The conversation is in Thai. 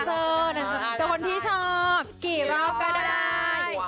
กับเพลงที่มีชื่อว่ากี่รอบก็ได้